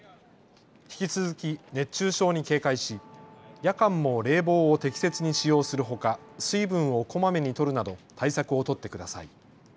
引き続き熱中症に警戒し夜間も冷房を適切に使用するほか水分をこまめにとるなど対策を取ってください。